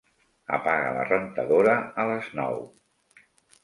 Apaga la rentadora a les nou.